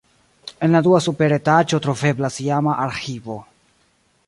En la dua supera etaĝo troveblas iama arĥivo.